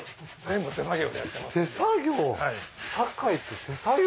手作業？